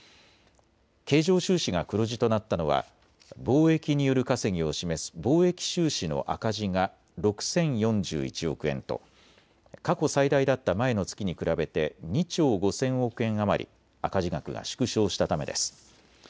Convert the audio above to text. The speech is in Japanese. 経常収支が黒字となったのは貿易による稼ぎを示す貿易収支の赤字が６０４１億円と過去最大だった前の月に比べて２兆５０００億円余り赤字額が縮小したためです。